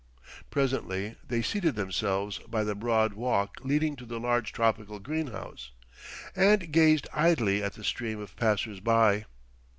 Presently they seated themselves by the broad walk leading to the large tropical greenhouse, and gazed idly at the stream of passers by.